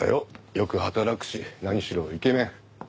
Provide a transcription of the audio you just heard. よく働くし何しろイケメン。